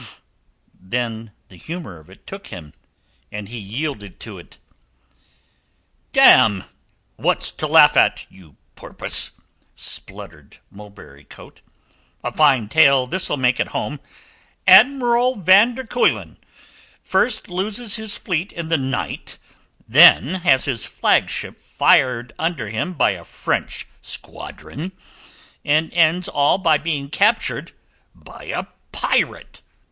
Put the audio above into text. Then the humour of it took him, and he yielded to it. "Damme! What's to laugh at, you porpoise?" spluttered mulberry coat. "A fine tale this'll make at home! Admiral van der Kuylen first loses his fleet in the night, then has his flagship fired under him by a French squadron, and ends all by being captured by a pirate.